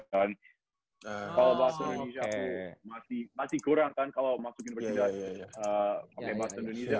masih kurang kan kalau masuk universitas bahasa indonesia